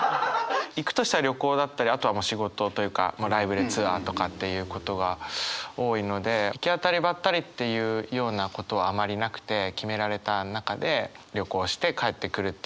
行くとしたら旅行だったりあとは仕事というかライブでツアーとかっていうことが多いので行き当たりばったりっていうようなことはあまりなくて決められた中で旅行して帰ってくるっていうことがほとんどなので。